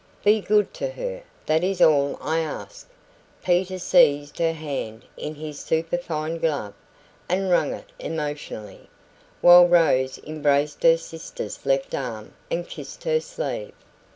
Be good to her that is all I ask." Peter seized her hand in his superfine glove, and wrung it emotionally, while Rose embraced her sister's left arm and kissed her sleeve.